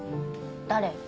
誰？